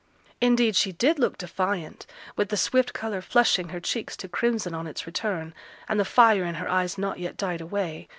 Indeed she did look defiant, with the swift colour flushing her cheeks to crimson on its return, and the fire in her eyes not yet died away.